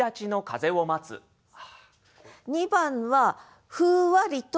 ２番は「ふうわりと」